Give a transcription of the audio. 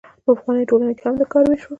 په پخوانیو ټولنو کې هم د کار ویش و.